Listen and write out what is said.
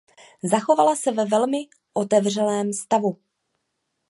Zachovala se ve velmi otřelém stavu.